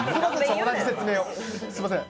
同じ説明をすみません。